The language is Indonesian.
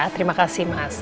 terima kasih mas